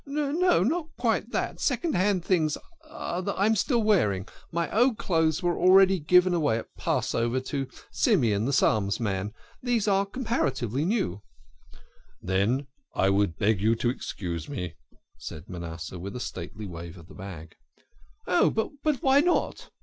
" No, not quite that. Second hand things I am still wearing. My old clothes were already given away at Passover to Simeon the Psalms man. These are comparatively new." "Then I would beg you to excuse me," said Manasseh, with a stately wave of the bag. 22 THE KING OF SCHNORRERS. " Oh, but why not